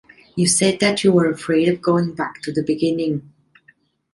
You said that you were afraid of going back to the beginning.